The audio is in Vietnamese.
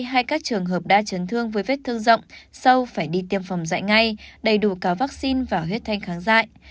hay các trường hợp đa chấn thương với vết thương rộng sâu phải đi tiêm phòng dại ngay đầy đủ cáo vaccine và huyết thanh kháng dại